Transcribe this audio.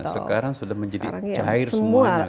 sekarang sudah menjadi cair semuanya